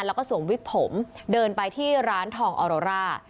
แล้วก็สวมวิกผมเดินไปที่ร้านทองออโรร่า